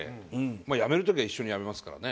まあ辞める時は一緒に辞めますからね。